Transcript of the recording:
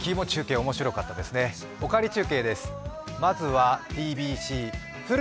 「おかわり中継」です。